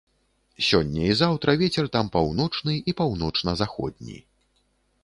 Сёння і заўтра вецер там паўночны і паўночна-заходні.